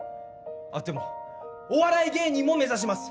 でもお笑い芸人も目指します！